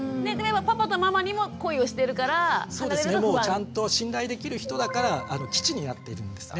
ちゃんと信頼できる人だから基地になっているんですね。